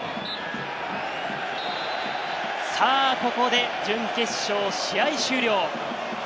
ここで準決勝、試合終了。